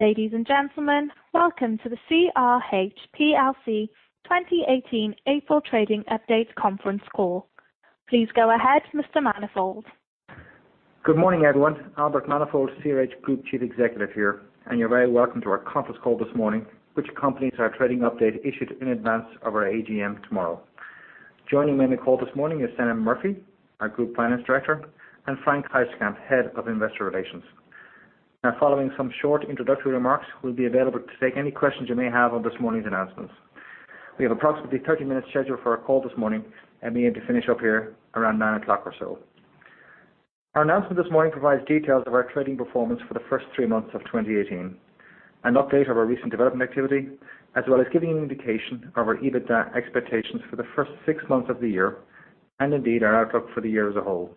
Ladies and gentlemen, welcome to the CRH plc 2018 April Trading Update conference call. Please go ahead, Mr. Manifold. Good morning, everyone. Albert Manifold, CRH Group Chief Executive here, and you're very welcome to our conference call this morning, which accompanies our trading update issued in advance of our AGM tomorrow. Joining me on the call this morning is Senan Murphy, our Group Finance Director, and Frank Heisterkamp, Head of Investor Relations. Following some short introductory remarks, we'll be available to take any questions you may have on this morning's announcements. We have approximately 30 minutes scheduled for our call this morning, and we aim to finish up here around nine o'clock or so. Our announcement this morning provides details of our trading performance for the first three months of 2018, an update of our recent development activity, as well as giving an indication of our EBITDA expectations for the first six months of the year, and indeed, our outlook for the year as a whole.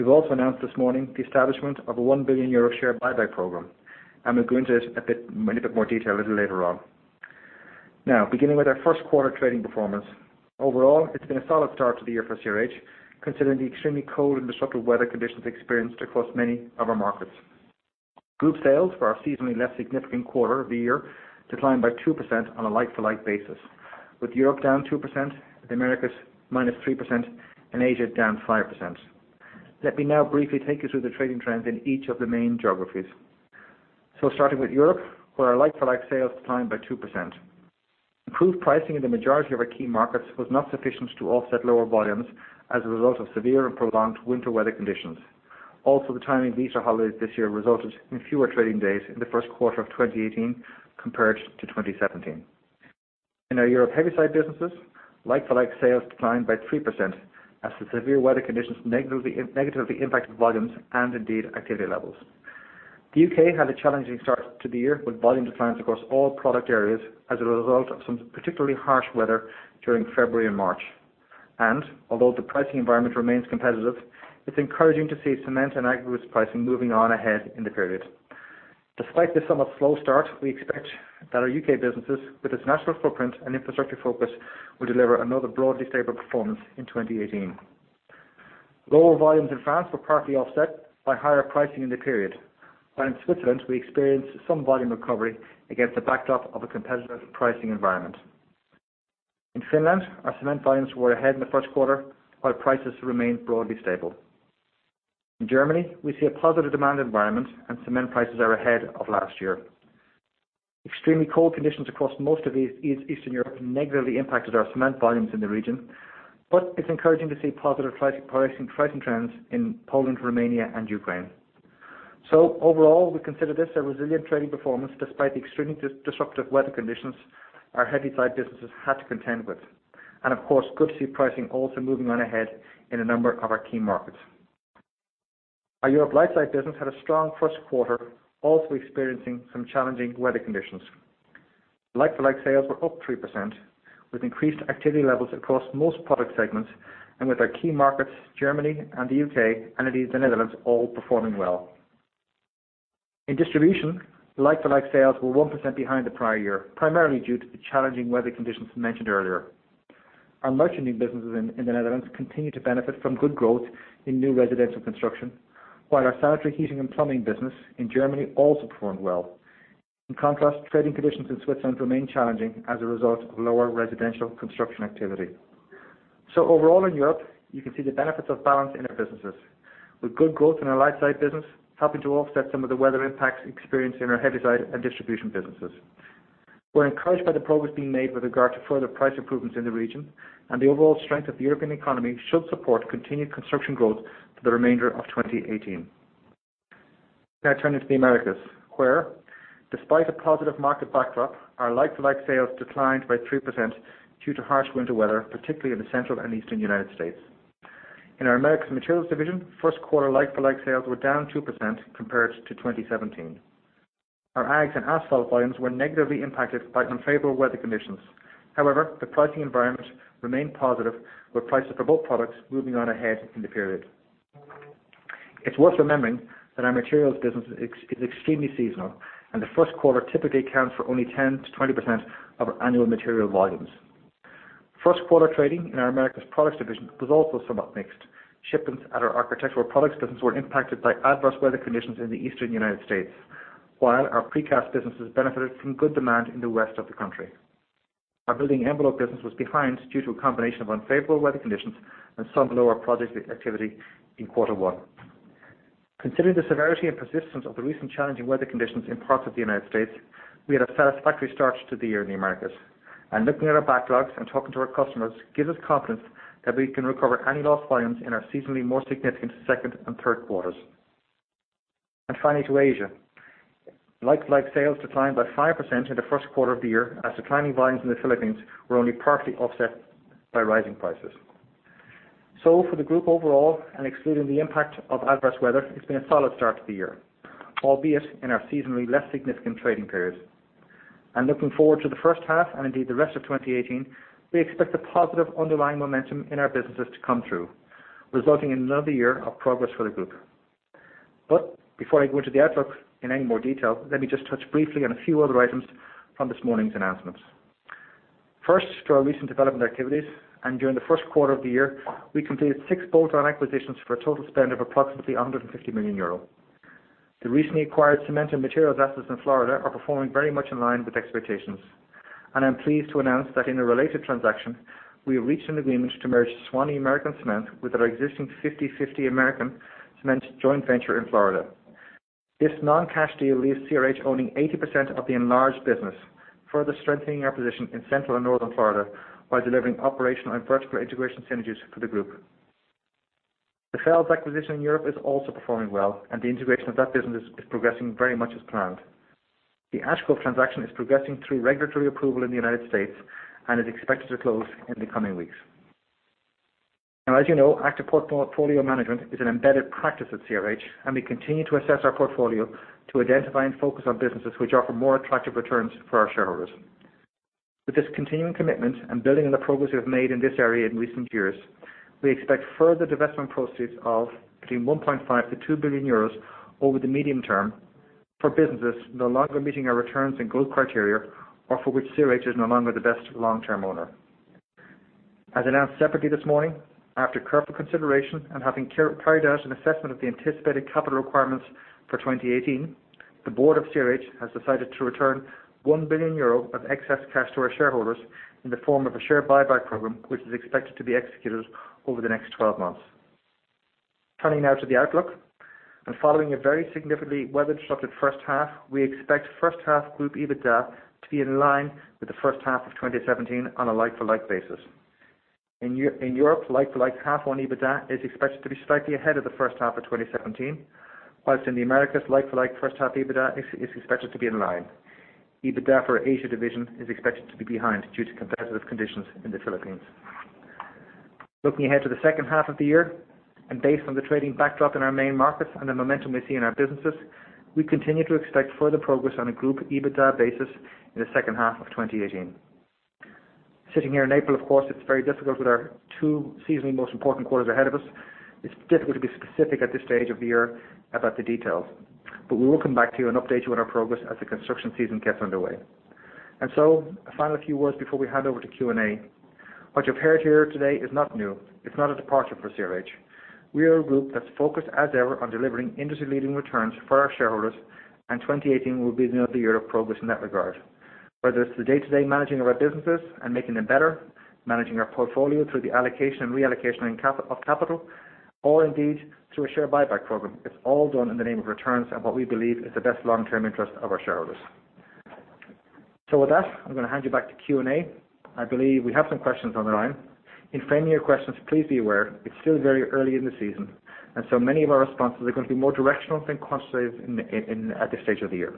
We've also announced this morning the establishment of a 1 billion euro share buyback program, and we'll go into it in a bit more detail a little later on. Beginning with our first quarter trading performance. Overall, it's been a solid start to the year for CRH, considering the extremely cold and disruptive weather conditions experienced across many of our markets. Group sales for our seasonally less significant quarter of the year declined by 2% on a like-for-like basis, with Europe down 2%, the Americas minus 3%, and Asia down 5%. Let me now briefly take you through the trading trends in each of the main geographies. Starting with Europe, where our like-for-like sales declined by 2%. Improved pricing in the majority of our key markets was not sufficient to offset lower volumes as a result of severe and prolonged winter weather conditions. Also, the timing of the Easter holidays this year resulted in fewer trading days in the first quarter of 2018 compared to 2017. In our Europe Heavyside businesses, like-for-like sales declined by 3% as the severe weather conditions negatively impacted volumes and indeed activity levels. The U.K. had a challenging start to the year with volume declines across all product areas as a result of some particularly harsh weather during February and March. Although the pricing environment remains competitive, it's encouraging to see cement and aggregates pricing moving on ahead in the period. Despite this somewhat slow start, we expect that our U.K. businesses, with its natural footprint and infrastructure focus, will deliver another broadly stable performance in 2018. Lower volumes in France were partly offset by higher pricing in the period. While in Switzerland, we experienced some volume recovery against the backdrop of a competitive pricing environment. In Finland, our cement volumes were ahead in the first quarter, while prices remained broadly stable. In Germany, we see a positive demand environment, and cement prices are ahead of last year. Extremely cold conditions across most of Eastern Europe negatively impacted our cement volumes in the region, but it's encouraging to see positive pricing trends in Poland, Romania, and Ukraine. Overall, we consider this a resilient trading performance despite the extremely disruptive weather conditions our heavyside businesses had to contend with. Of course, good to see pricing also moving on ahead in a number of our key markets. Our Europe Lightside business had a strong first quarter, also experiencing some challenging weather conditions. Like-for-like sales were up 3%, with increased activity levels across most product segments and with our key markets, Germany and the U.K., and the Netherlands all performing well. In distribution, like-for-like sales were 1% behind the prior year, primarily due to the challenging weather conditions mentioned earlier. Our merchanting businesses in the Netherlands continue to benefit from good growth in new residential construction, while our sanitary heating and plumbing business in Germany also performed well. In contrast, trading conditions in Switzerland remain challenging as a result of lower residential construction activity. Overall in Europe, you can see the benefits of balance in our businesses, with good growth in our Lightside business helping to offset some of the weather impacts experienced in our Heavyside and distribution businesses. We're encouraged by the progress being made with regard to further price improvements in the region, and the overall strength of the European economy should support continued construction growth for the remainder of 2018. Turning to the Americas, where despite a positive market backdrop, our like-for-like sales declined by 3% due to harsh winter weather, particularly in the central and eastern U.S. In our Americas Materials Division, first quarter like-for-like sales were down 2% compared to 2017. Our aggs and asphalt volumes were negatively impacted by unfavorable weather conditions. However, the pricing environment remained positive, with prices for both products moving on ahead in the period. It's worth remembering that our materials business is extremely seasonal, and the first quarter typically accounts for only 10%-20% of our annual material volumes. First quarter trading in our Americas Products Division was also somewhat mixed. Shipments at our architectural products business were impacted by adverse weather conditions in the eastern U.S., while our precast businesses benefited from good demand in the west of the country. Our building envelope business was behind due to a combination of unfavorable weather conditions and some lower project activity in quarter one. Considering the severity and persistence of the recent challenging weather conditions in parts of the U.S., we had a satisfactory start to the year in the Americas. Looking at our backlogs and talking to our customers gives us confidence that we can recover any lost volumes in our seasonally more significant second and third quarters. Finally to Asia. Like-for-like sales declined by 5% in the first quarter of the year as declining volumes in the Philippines were only partly offset by rising prices. For the group overall and excluding the impact of adverse weather, it's been a solid start to the year, albeit in our seasonally less significant trading period. Looking forward to the first half and indeed the rest of 2018, we expect the positive underlying momentum in our businesses to come through, resulting in another year of progress for the group. Before I go into the outlook in any more detail, let me just touch briefly on a few other items from this morning's announcements. First to our recent development activities, during the first quarter of the year, we completed six bolt-on acquisitions for a total spend of approximately 150 million euro. The recently acquired cement and materials assets in Florida are performing very much in line with expectations, and I'm pleased to announce that in a related transaction, we have reached an agreement to merge Suwannee American Cement with our existing 50/50 American Cement joint venture in Florida. This non-cash deal leaves CRH owning 80% of the enlarged business, further strengthening our position in Central and Northern Florida while delivering operational and vertical integration synergies for the group. The Fels acquisition in Europe is also performing well, the integration of that business is progressing very much as planned. The Ash Grove transaction is progressing through regulatory approval in the U.S. and is expected to close in the coming weeks. As you know, active portfolio management is an embedded practice at CRH, we continue to assess our portfolio to identify and focus on businesses which offer more attractive returns for our shareholders. With this continuing commitment and building on the progress we've made in this area in recent years, we expect further divestment proceeds of between 1.5 billion-2 billion euros over the medium term for businesses no longer meeting our returns and growth criteria, or for which CRH is no longer the best long-term owner. As announced separately this morning, after careful consideration and having carried out an assessment of the anticipated capital requirements for 2018, the board of CRH has decided to return 1 billion euro of excess cash to our shareholders in the form of a share buyback program, which is expected to be executed over the next 12 months. Following a very significantly weather-disrupted first half, we expect first half group EBITDA to be in line with the first half of 2017 on a like-for-like basis. In Europe, like-for-like half on EBITDA is expected to be slightly ahead of the first half of 2017, whilst in the Americas, like-for-like first half EBITDA is expected to be in line. EBITDA for Asia Division is expected to be behind due to competitive conditions in the Philippines. Based on the trading backdrop in our main markets and the momentum we see in our businesses, we continue to expect further progress on a group EBITDA basis in the second half of 2018. Sitting here in April, of course, it's very difficult with our two seasonally most important quarters ahead of us. It's difficult to be specific at this stage of the year about the details, but we will come back to you and update you on our progress as the construction season gets underway. A final few words before we hand over to Q&A. What you've heard here today is not new. It's not a departure for CRH. We are a group that's focused as ever on delivering industry-leading returns for our shareholders, and 2018 will be another year of progress in that regard. Whether it's the day-to-day managing of our businesses and making them better, managing our portfolio through the allocation and reallocation of capital, or indeed, through a share buyback program, it's all done in the name of returns and what we believe is the best long-term interest of our shareholders. With that, I'm going to hand you back to Q&A. I believe we have some questions on the line. In framing your questions, please be aware it's still very early in the season, and so many of our responses are going to be more directional than quantitative at this stage of the year.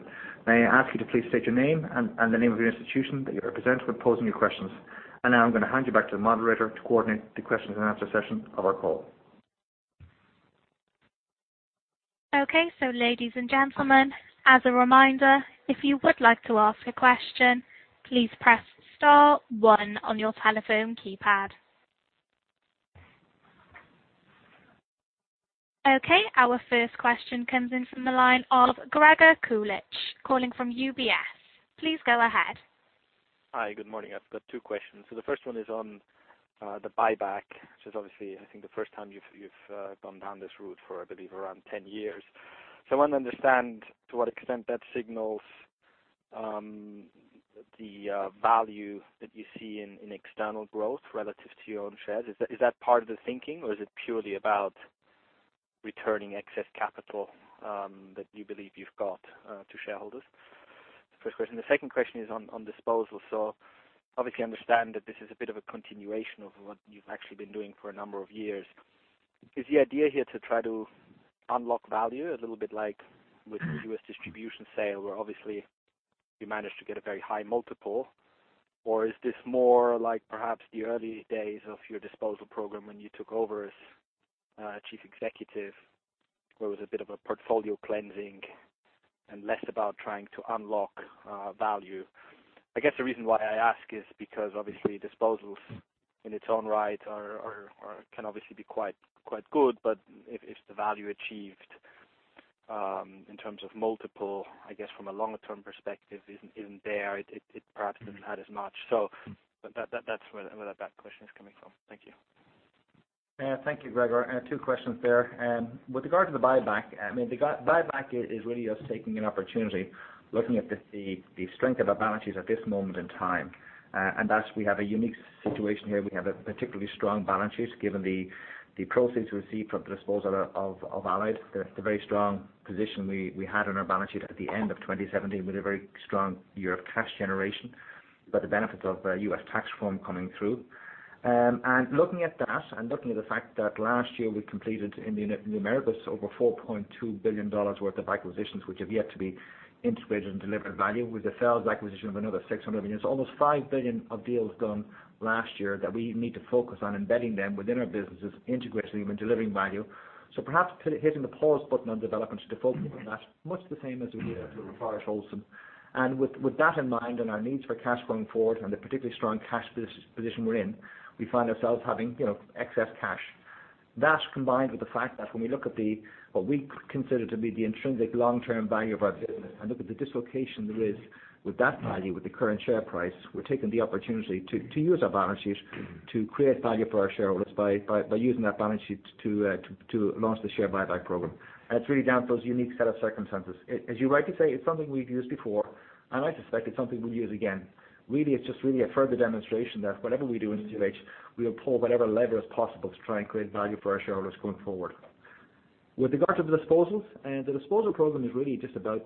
May I ask you to please state your name and the name of your institution that you represent when posing your questions. Now I'm going to hand you back to the moderator to coordinate the questions and answer session of our call. Ladies and gentlemen, as a reminder, if you would like to ask a question, please press star one on your telephone keypad. Our first question comes in from the line of Gregor Kuglicz, calling from UBS. Please go ahead. Hi, good morning. I've got two questions. The first one is on the buyback, which is obviously, I think, the first time you've gone down this route for, I believe, around 10 years. I want to understand to what extent that signals the value that you see in external growth relative to your own shares. Is that part of the thinking, or is it purely about returning excess capital that you believe you've got to shareholders? First question. The second question is on disposal. Obviously, I understand that this is a bit of a continuation of what you've actually been doing for a number of years. Is the idea here to try to unlock value, a little bit like with the U.S. distribution sale, where obviously you managed to get a very high multiple, or is this more like perhaps the early days of your disposal program when you took over as chief executive, where it was a bit of a portfolio cleansing and less about trying to unlock value? I guess the reason why I ask is because obviously disposals in its own right can obviously be quite good, but if the value achieved in terms of multiple, I guess from a longer term perspective isn't there, it perhaps doesn't add as much. That's where that question is coming from. Thank you. Thank you, Gregor. Two questions there. With regard to the buyback, the buyback is really us taking an opportunity, looking at the strength of our balance sheet at this moment in time. That we have a unique situation here. We have a particularly strong balance sheet given the proceeds received from the disposal of Allied, the very strong position we had on our balance sheet at the end of 2017 with a very strong year of cash generation, but the benefit of U.S. tax reform coming through. Looking at that and looking at the fact that last year we completed in the Americas over $4.2 billion worth of acquisitions, which have yet to be integrated and delivered value, with the Fels acquisition of another 600 million. It's almost 5 billion of deals done last year that we need to focus on embedding them within our businesses, integrating them and delivering value. So perhaps hitting the pause button on development to focus on that, much the same as we did at LafargeHolcim. With that in mind and our needs for cash going forward and the particularly strong cash position we're in, we find ourselves having excess cash. That combined with the fact that when we look at what we consider to be the intrinsic long-term value of our business and look at the dislocation there is with that value with the current share price, we're taking the opportunity to use our balance sheet to create value for our shareholders by using that balance sheet to launch the share buyback program. It's really down to those unique set of circumstances. As you rightly say, it's something we've used before, I suspect it's something we'll use again. Really, it's just really a further demonstration that whatever we do in CRH, we'll pull whatever lever is possible to try and create value for our shareholders going forward. With regard to the disposals, the disposal program is really just about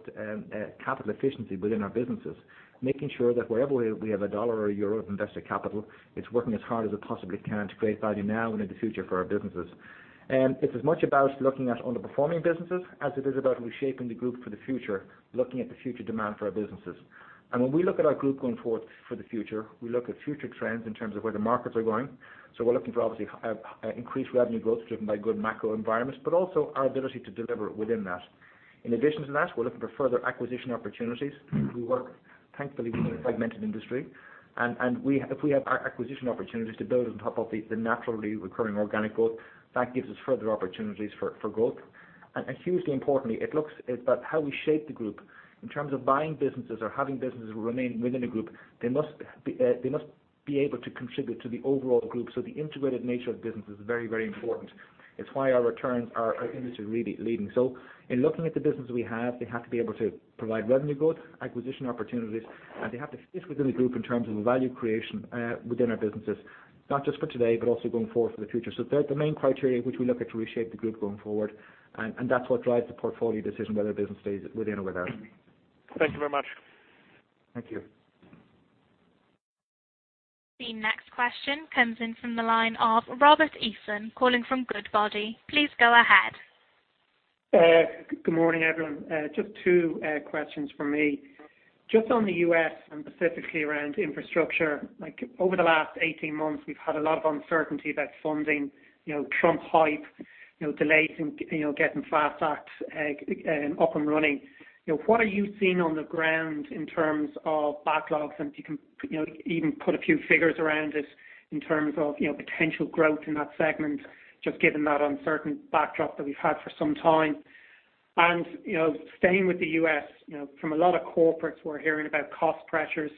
capital efficiency within our businesses. Making sure that wherever we have a dollar or euro of invested capital, it's working as hard as it possibly can to create value now and in the future for our businesses. It's as much about looking at underperforming businesses as it is about reshaping the group for the future, looking at the future demand for our businesses. When we look at our group going forward for the future, we look at future trends in terms of where the markets are going. We're looking for obviously increased revenue growth driven by good macro environments, but also our ability to deliver within that. In addition to that, we're looking for further acquisition opportunities. We work, thankfully, within a fragmented industry, and if we have acquisition opportunities to build on top of the naturally recurring organic growth, that gives us further opportunities for growth. Hugely importantly, it looks about how we shape the group. In terms of buying businesses or having businesses remain within a group, they must be able to contribute to the overall group. The integrated nature of the business is very, very important. It's why our returns are industry-leading. In looking at the business we have, they have to be able to provide revenue growth, acquisition opportunities, and they have to fit within the group in terms of the value creation within our businesses. Not just for today, but also going forward for the future. They're the main criteria which we look at to reshape the group going forward, and that's what drives the portfolio decision whether a business stays within or without. Thank you very much. Thank you. The next question comes in from the line of Robert Sheridan calling from Goodbody. Please go ahead. Good morning, everyone. Just two questions from me. Just on the U.S. and specifically around infrastructure. Over the last 18 months, we've had a lot of uncertainty about funding, Trump hype, delays in getting FAST Act up and running. What are you seeing on the ground in terms of backlogs? If you can even put a few figures around it in terms of potential growth in that segment, just given that uncertain backdrop that we've had for some time. Staying with the U.S., from a lot of corporates, we're hearing about cost pressures,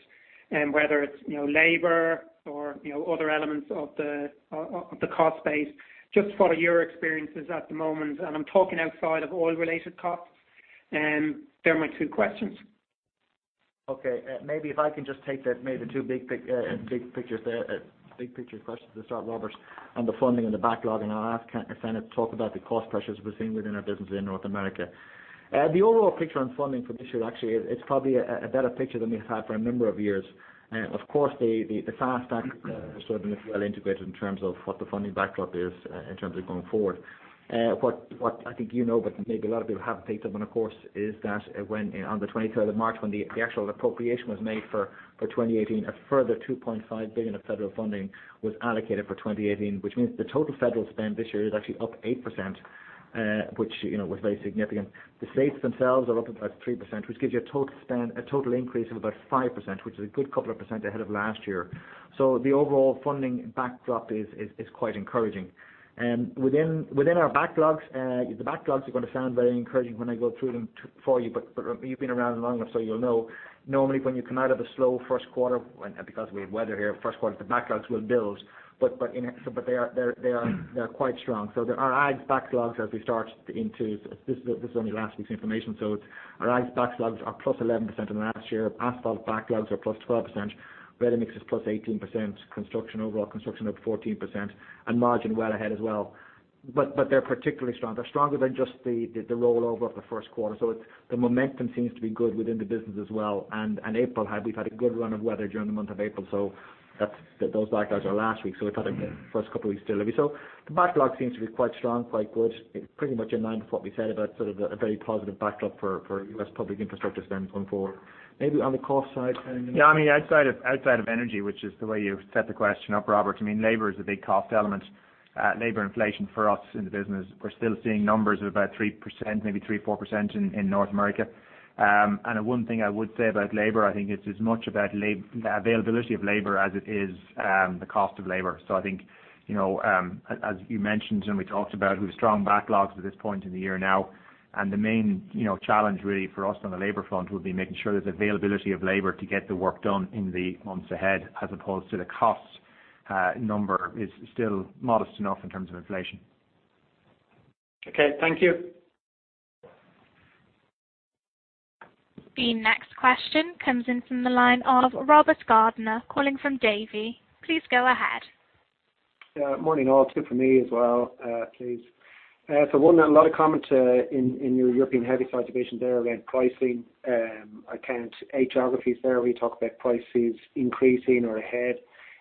whether it's labor or other elements of the cost base. Just what are your experiences at the moment? I'm talking outside of oil-related costs. They're my two questions. Okay. Maybe if I can just take the two big picture questions to start, Robert, on the funding and the backlog, I'll ask Senan to talk about the cost pressures we're seeing within our business in North America. The overall picture on funding for this year, actually, it's probably a better picture than we've had for a number of years. Of course, the FAST Act has certainly been well integrated in terms of what the funding backdrop is in terms of going forward. What I think you know, but maybe a lot of people haven't picked up on, of course, is that when on the 23rd of March, when the actual appropriation was made for 2018, a further $2.5 billion of federal funding was allocated for 2018, which means the total federal spend this year is actually up 8%, which was very significant. The states themselves are up about 3%, which gives you a total increase of about 5%, which is a good couple of percent ahead of last year. The overall funding backdrop is quite encouraging. Within our backlogs, the backlogs are going to sound very encouraging when I go through them for you, but you've been around long enough, so you'll know. Normally when you come out of a slow first quarter, because we have weather here, first quarter, the backlogs will build. They are quite strong. Our Aggs backlogs as we start into. This is only last week's information, so our Aggs backlogs are +11% on last year. Asphalt backlogs are +12%, ready-mix is +18%, construction, overall construction up 14%, and margin well ahead as well. They're particularly strong. They're stronger than just the rollover of the first quarter. The momentum seems to be good within the business as well. In April, we've had a good run of weather during the month of April. Those backlogs are last week, so we've had a good first couple of weeks delivery. The backlog seems to be quite strong, quite good. Pretty much in line with what we said about sort of a very positive backdrop for U.S. public infrastructure spend going forward. Maybe on the cost side, Senan. Yeah, outside of energy, which is the way you set the question up, Robert, labor is a big cost element. Labor inflation for us in the business, we're still seeing numbers of about 3%, maybe 3%-4% in North America. The one thing I would say about labor, I think it's as much about the availability of labor as it is the cost of labor. I think, as you mentioned and we talked about, we've strong backlogs at this point in the year now, and the main challenge really for us on the labor front will be making sure there's availability of labor to get the work done in the months ahead as opposed to the cost number is still modest enough in terms of inflation. Okay. Thank you. The next question comes in from the line of Robert Gardiner calling from Davy. Please go ahead. Morning all. 2 from me as well, please. 1, a lot of comment in your Europe Heavyside Division there around pricing. I count 8 geographies there where you talk about prices increasing or ahead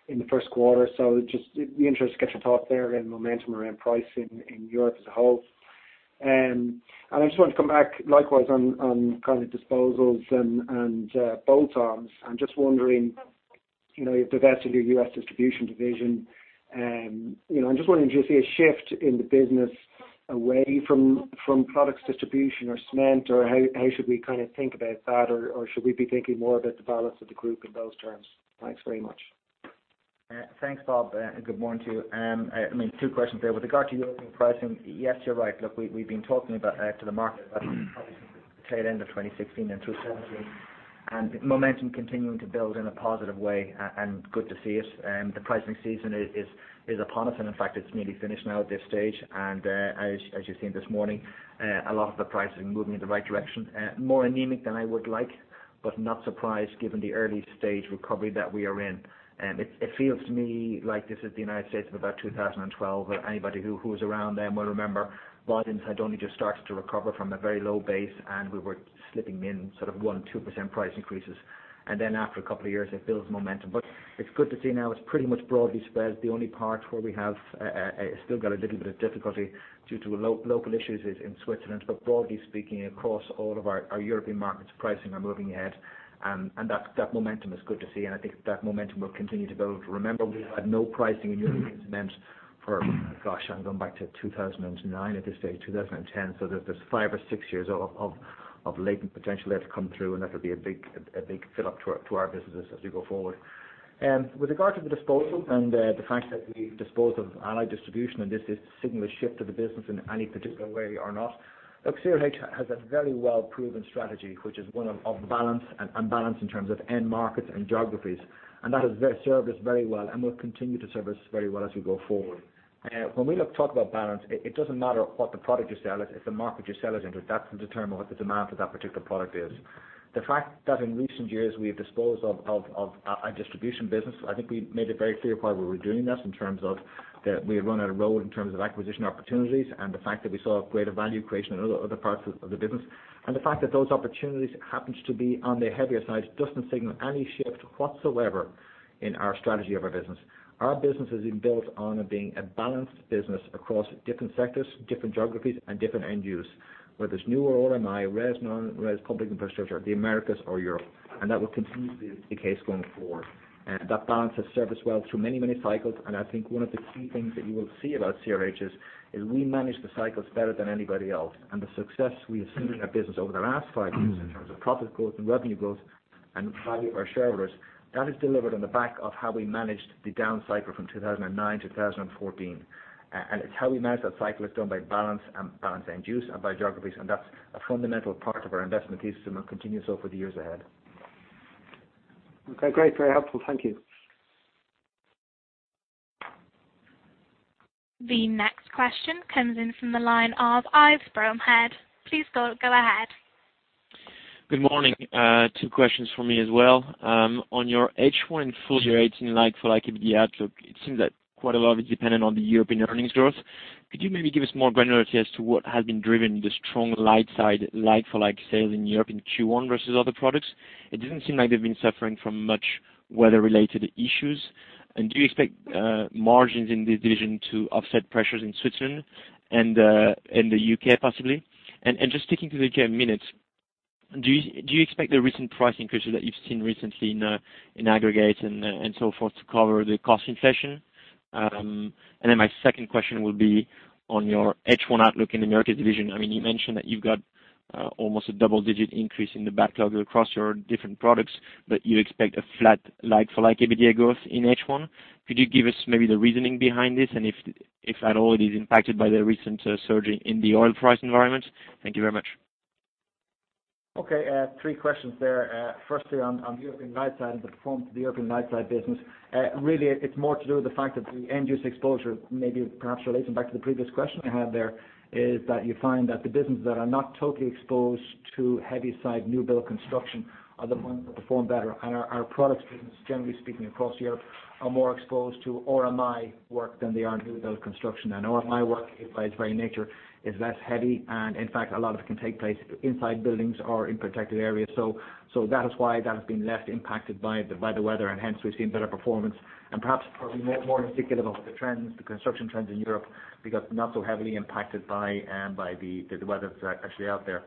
in the first quarter. Just be interested to get your thought there and momentum around pricing in Europe as a whole. I just want to come back likewise on kind of disposals and bolt-ons. I'm just wondering, you've divested your U.S. distribution division. I'm just wondering, do you see a shift in the business Away from products distribution or cement, or how should we kind of think about that? Should we be thinking more about the balance of the group in those terms? Thanks very much. Thanks, Bob. Good morning to you. 2 questions there. With regard to European pricing, yes, you're right. Look, we've been talking to the market about obviously the tail end of 2016 and through 2017. Momentum continuing to build in a positive way, and good to see it. The pricing season is upon us, and in fact, it's nearly finished now at this stage. As you've seen this morning, a lot of the pricing moving in the right direction. More anemic than I would like, but not surprised given the early stage recovery that we are in. It feels to me like this is the United States of about 2012. Anybody who was around then will remember volumes had only just started to recover from a very low base, and we were slipping in sort of 1, 2% price increases. After 2 years, it builds momentum. It's good to see now it's pretty much broadly spread. The only part where we have still got a little bit of difficulty due to local issues is in Switzerland. Broadly speaking, across all of our European markets, pricing are moving ahead. That momentum is good to see, and I think that momentum will continue to build. Remember, we've had no pricing in European cement for, gosh, I'm going back to 2009 at this stage, 2010. There's 5 or 6 years of latent potential there to come through, and that'll be a big fill-up to our businesses as we go forward. With regard to the disposal and the fact that we've disposed of Americas Distribution. Does this signal a shift of the business in any particular way or not. Look, CRH has a very well-proven strategy, which is one of balance and balance in terms of end markets and geographies. That has served us very well and will continue to serve us very well as we go forward. When we talk about balance, it doesn't matter what the product you sell, it's the market you sell it into. That can determine what the demand for that particular product is. The fact that in recent years we've disposed of our distribution business, I think we made it very clear why we were doing this, in terms of that we had run out of road in terms of acquisition opportunities and the fact that we saw greater value creation in other parts of the business. The fact that those opportunities happens to be on the heavier side doesn't signal any shift whatsoever in our strategy of our business. Our business has been built on being a balanced business across different sectors, different geographies, and different end use, whether it's new or RMI, res, non-res, public infrastructure, the Americas or Europe. That will continue to be the case going forward. That balance has served us well through many, many cycles, and I think one of the key things that you will see about CRH is we manage the cycles better than anybody else. The success we have seen in our business over the last five years in terms of profit growth and revenue growth and value of our shareholders, that is delivered on the back of how we managed the down cycle from 2009 to 2014. It's how we manage that cycle. It's done by balance and balance end use and by geographies, that's a fundamental part of our investment thesis and will continue so for the years ahead. Okay, great. Very helpful. Thank you. The next question comes in from the line of Yves Bromehead. Please go ahead. Good morning. Two questions from me as well. On your H1 full-year 2018, like-for-like EBITDA outlook, it seems that quite a lot of it's dependent on the European earnings growth. Could you maybe give us more granularity as to what has been driving the strong Lightside like-for-like sales in Europe in Q1 versus other products? It doesn't seem like they've been suffering from much weather-related issues. Do you expect margins in this division to offset pressures in Switzerland and the U.K. possibly? Just sticking to the U.K. a minute, do you expect the recent price increases that you've seen recently in aggregate and so forth to cover the cost inflation? My second question will be on your H1 outlook in the Americas Division. You mentioned that you've got almost a double-digit increase in the backlog across your different products, but you expect a flat like-for-like EBITDA growth in H1. Could you give us maybe the reasoning behind this and if at all it is impacted by the recent surge in the oil price environment? Thank you very much. Okay. Three questions there. Firstly, on European Lightside and the performance of the European Lightside business. Really it's more to do with the fact that the end use exposure, maybe perhaps relating back to the previous question I had there, is that you find that the businesses that are not totally exposed to Heavyside new build construction are the ones that perform better. Our products business, generally speaking, across Europe, are more exposed to RMI work than they are new build construction. RMI work, by its very nature, is less heavy and in fact, a lot of it can take place inside buildings or in protected areas. That is why that has been less impacted by the weather, and hence we've seen better performance and perhaps more indicative of the trends, the construction trends in Europe, because not so heavily impacted by the weather that's actually out there.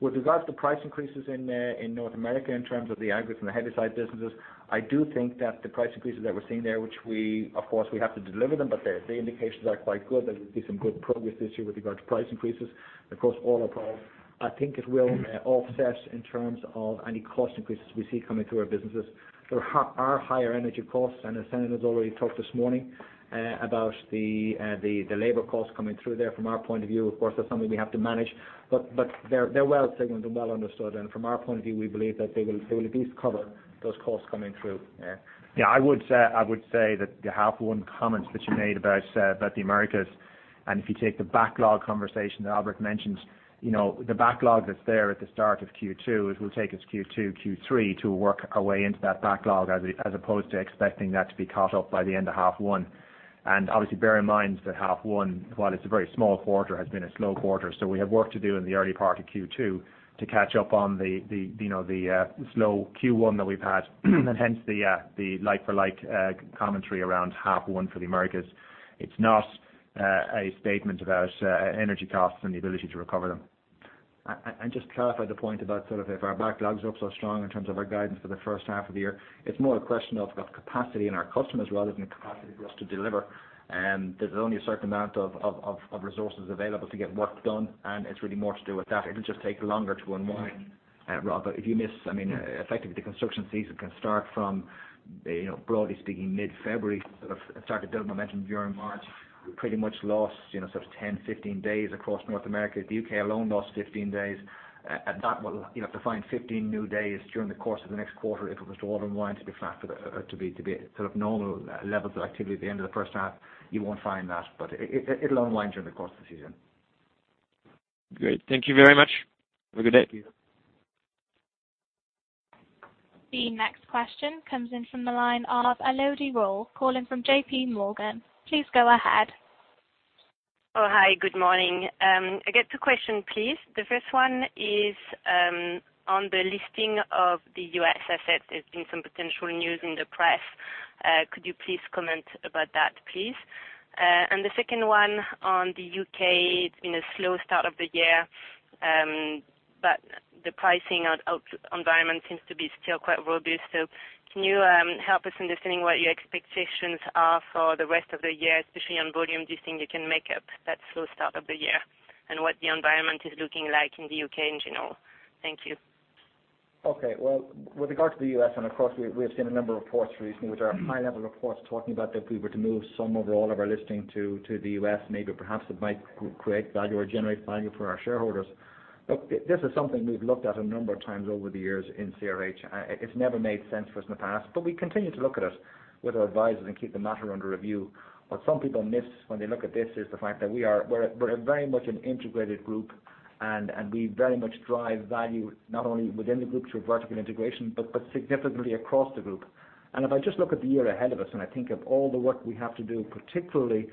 With regards to price increases in North America, in terms of the aggregates and the heavy side businesses, I do think that the price increases that we're seeing there, which we, of course, we have to deliver them, but the indications are quite good. There'll be some good progress this year with regard to price increases across all our products. I think it will offset in terms of any cost increases we see coming through our businesses. There are higher energy costs, and as Senan has already talked this morning about the labor costs coming through there. From our point of view, of course, that's something we have to manage. They're well signaled and well understood, and from our point of view, we believe that they will at least cover those costs coming through. I would say that the half one comments that you made about the Americas, and if you take the backlog conversation that Albert mentioned, the backlog that's there at the start of Q2, it will take us Q2, Q3 to work our way into that backlog as opposed to expecting that to be caught up by the end of half one. Obviously bear in mind that half one, while it's a very small quarter, has been a slow quarter. We have work to do in the early part of Q2 to catch up on the slow Q1 that we've had, and hence the like-for-like commentary around half one for the Americas. It's not a statement about energy costs and the ability to recover them. Just to clarify the point about if our backlogs are up so strong in terms of our guidance for the first half of the year, it's more a question of capacity in our customers rather than the capacity for us to deliver. There's only a certain amount of resources available to get work done, and it's really more to do with that. It'll just take longer to unwind, Rob. If you miss, effectively, the construction season can start from, broadly speaking, mid-February, sort of start to build momentum during March. We pretty much lost sort of 10, 15 days across North America. The U.K. alone lost 15 days. To find 15 new days during the course of the next quarter, if it was to all unwind to be sort of normal levels of activity at the end of the first half, you won't find that. It'll unwind during the course of the season. Great. Thank you very much. Have a good day. Thank you. The next question comes in from the line of Elodie Rall, calling from JPMorgan. Please go ahead. Oh, hi, good morning. I got two questions, please. The first one is on the listing of the U.S. assets. There's been some potential news in the press. Could you please comment about that, please? The second one on the U.K. It's been a slow start of the year. The pricing environment seems to be still quite robust. Can you help us in understanding what your expectations are for the rest of the year, especially on volume? Do you think you can make up that slow start of the year? What the environment is looking like in the U.K. in general. Thank you. Okay. Well, with regard to the U.S., of course, we have seen a number of reports recently, which are high-level reports talking about if we were to move some or all of our listing to the U.S., maybe perhaps it might create value or generate value for our shareholders. Look, this is something we've looked at a number of times over the years in CRH, it's never made sense for us in the past. We continue to look at it with our advisors and keep the matter under review. What some people miss when they look at this is the fact that we're very much an integrated group, we very much drive value not only within the group through vertical integration, but significantly across the group. If I just look at the year ahead of us, I think of all the work we have to do, particularly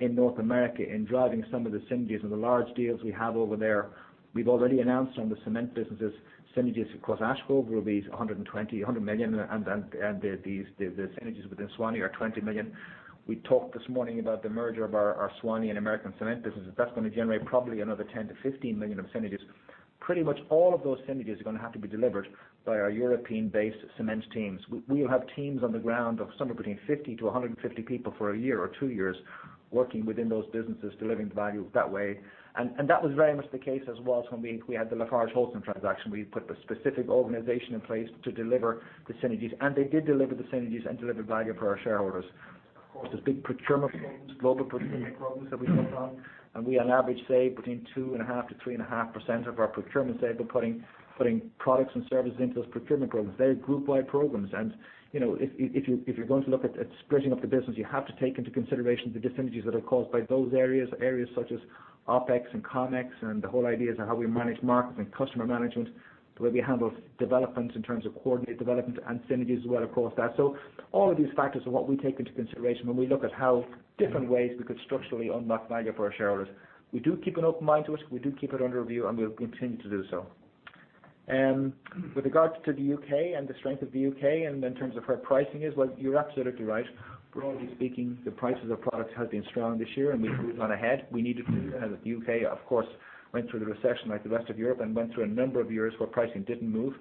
in North America, in driving some of the synergies of the large deals we have over there. We've already announced on the cement businesses synergies across Ash Grove will be 100 million, the synergies within Suwannee are 20 million. We talked this morning about the merger of our Suwannee and American Cement businesses. That's going to generate probably another 10 million to 15 million of synergies. Pretty much all of those synergies are going to have to be delivered by our European-based cements teams. We will have teams on the ground of somewhere between 50 to 150 people for a year or two years working within those businesses, delivering value that way. That was very much the case as well when we had the LafargeHolcim transaction. We put the specific organization in place to deliver the synergies, they did deliver the synergies and deliver value for our shareholders. Of course, there's big procurement programs, global procurement programs that we work on, we on average save between 2.5%-3.5% of our procurement save by putting products and services into those procurement programs. They're group-wide programs. If you're going to look at splitting up the business, you have to take into consideration the dis-synergies that are caused by those areas. Areas such as OPEX and CAPEX, the whole ideas of how we manage markets and customer management, the way we handle development in terms of coordinated development and synergies as well, across that. All of these factors are what we take into consideration when we look at how different ways we could structurally unlock value for our shareholders. We do keep an open mind to it. We do keep it under review, and we'll continue to do so. With regards to the U.K. and the strength of the U.K. and in terms of where pricing is, well, you're absolutely right. Broadly speaking, the prices of products have been strong this year, and we've moved on ahead. We needed to. The U.K., of course, went through the recession like the rest of Europe and went through a number of years where pricing didn't move.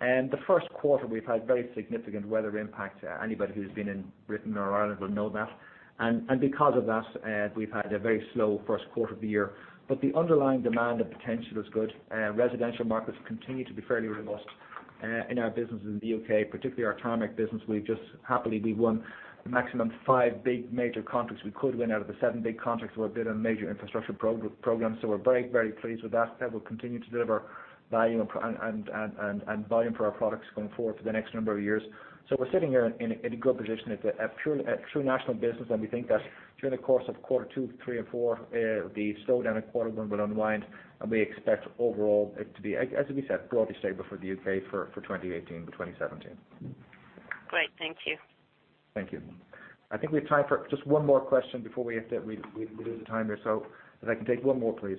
The first quarter, we've had very significant weather impact. Anybody who's been in Britain or Ireland will know that. Because of that, we've had a very slow first quarter of the year. The underlying demand and potential is good. Residential markets continue to be fairly robust in our business in the U.K., particularly our Tarmac business. We've just happily, we won the maximum five big major contracts we could win out of the seven big contracts we bid on major infrastructure programs. We're very, very pleased with that. That will continue to deliver value and volume for our products going forward for the next number of years. We're sitting here in a good position as a true national business, and we think that during the course of quarter two, three, and four, the slowdown in quarter one will unwind, and we expect overall it to be, as we said, broadly stable for the U.K. for 2018 to 2017. Great. Thank you. Thank you. I think we have time for just one more question before we lose the time here, if I can take one more, please.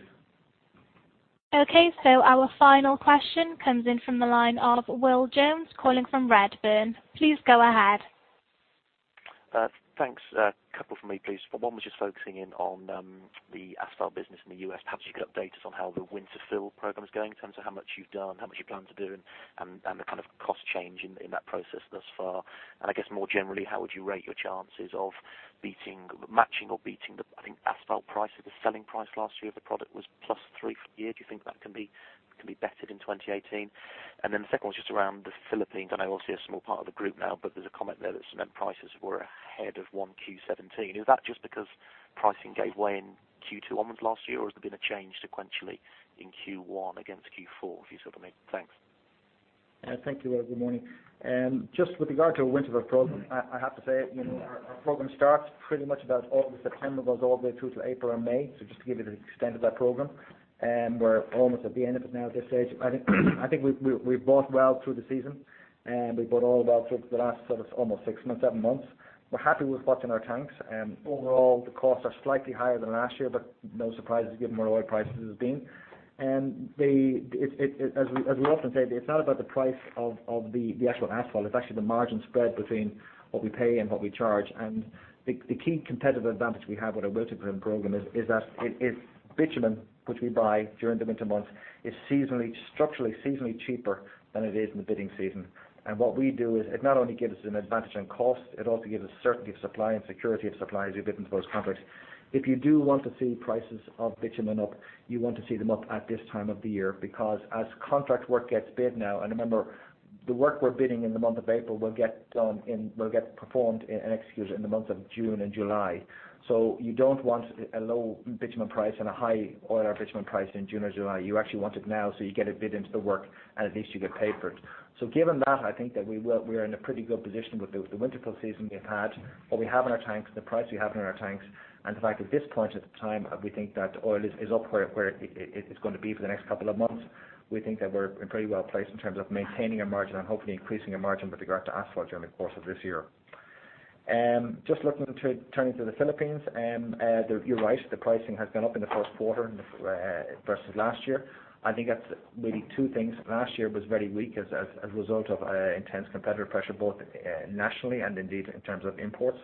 Our final question comes in from the line of Will Jones, calling from Redburn. Please go ahead. Thanks. A couple from me, please. One was just focusing in on the asphalt business in the U.S. Perhaps you could update us on how the winter fill program is going in terms of how much you've done, how much you plan to do, and the kind of cost change in that process thus far. I guess more generally, how would you rate your chances of matching or beating the, I think, asphalt price? The selling price last year of the product was +3% for the year. Do you think that can be bettered in 2018? The second one is just around the Philippines. I know obviously a small part of the group now, but there's a comment there that cement prices were ahead of 1Q17. Is that just because pricing gave way in Q2 onwards last year, or has there been a change sequentially in Q1 against Q4, if you see what I mean? Thanks. Thank you, Will. Good morning. Just with regard to our winter fill program, I have to say our program starts pretty much about August, September, goes all the way through to April and May. Just to give you the extent of that program. We're almost at the end of it now at this stage. I think we've bought well through the season. We bought all well through the last sort of almost six months, seven months. We're happy with spots in our tanks. Overall, the costs are slightly higher than last year, but no surprises given where oil prices has been. As we often say, it's not about the price of the actual asphalt, it's actually the margin spread between what we pay and what we charge. The key competitive advantage we have with our winter program is that bitumen, which we buy during the winter months, is structurally, seasonally cheaper than it is in the bidding season. What we do is it not only gives us an advantage on cost, it also gives us certainty of supply and security of supply as we bid into those contracts. If you do want to see prices of bitumen up, you want to see them up at this time of the year, because as contract work gets bid now, and remember, the work we're bidding in the month of April will get performed and executed in the months of June and July. You don't want a low bitumen price and a high oil or bitumen price in June or July. You actually want it now, so you get it bid into the work and at least you get paid for it. Given that, I think that we are in a pretty good position with the winter fill season we've had, what we have in our tanks, the price we have in our tanks, and the fact at this point, at the time, we think that oil is up where it is going to be for the next couple of months. We think that we're pretty well-placed in terms of maintaining a margin and hopefully increasing a margin with regard to asphalt during the course of this year. Just looking, turning to the Philippines, you're right, the pricing has been up in the first quarter versus last year. I think that's maybe two things. Last year was very weak as a result of intense competitor pressure, both nationally and indeed in terms of imports.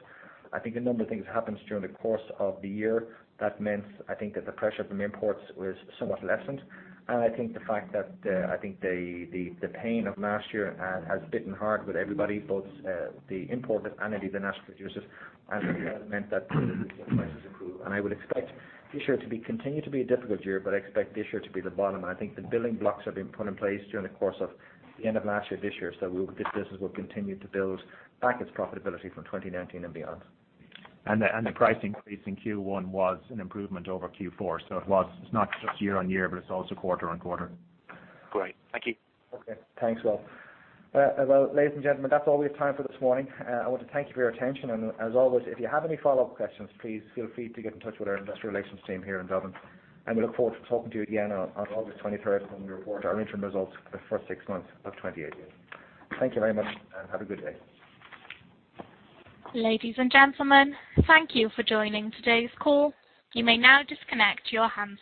I think a number of things happened during the course of the year that meant, I think that the pressure from imports was somewhat lessened. I think the fact that the pain of last year has bitten hard with everybody, both the importers and indeed the national producers, and that meant that prices improved. I would expect this year to continue to be a difficult year, but I expect this year to be the bottom, and I think the building blocks have been put in place during the course of the end of last year, this year. This business will continue to build back its profitability from 2019 and beyond. The price increase in Q1 was an improvement over Q4. It's not just year-over-year, but it's also quarter-over-quarter. Great. Thank you. Okay, thanks, Will. Well, ladies and gentlemen, that's all we have time for this morning. I want to thank you for your attention. As always, if you have any follow-up questions, please feel free to get in touch with our Investor Relations Team here in Dublin, and we look forward to talking to you again on August 23rd when we report our interim results for the first six months of 2018. Thank you very much, and have a good day. Ladies and gentlemen, thank you for joining today's call. You may now disconnect your handsets.